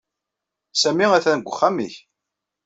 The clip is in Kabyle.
Sami atan deg uxxam-nnek.